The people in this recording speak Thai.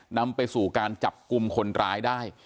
นำไปสู่การจับกลุ่มคนร้ายได้